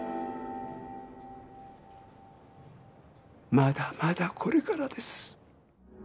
まだまだこれからです。